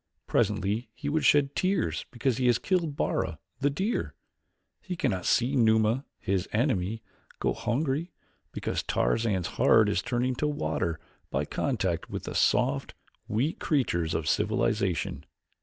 Presently he would shed tears because he has killed Bara, the deer. He cannot see Numa, his enemy, go hungry, because Tarzan's heart is turning to water by contact with the soft, weak creatures of civilization."